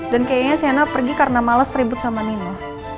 dan kayaknya sienna pergi karena males ribut sama nino